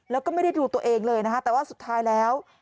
แล้วก็ไม่ได้ดูตัวเองเลยนะคะแต่ว่าสุดท้ายแล้ว